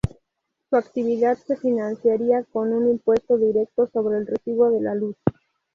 Su actividad se financiaría con un impuesto directo sobre el recibo de la luz.